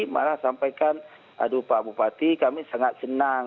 malah sampaikan aduh pak bupati kami sangat senang